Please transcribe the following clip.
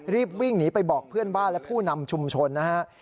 รีบวิ่งหนีไปบอกเพื่อนบ้านและผู้นำชุมชนนะฮะ